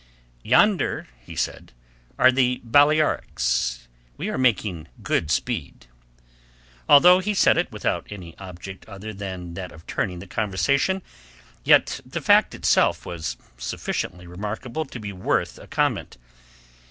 "Yonder," he said, "are the Balearics. We are making good speed." Although he said it without any object other than that of turning the conversation, yet the fact itself was sufficiently remarkable to be worth a comment.